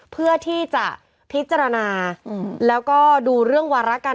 เพื่อที่จะพิจารณาแล้วก็ดูเรื่องวารการ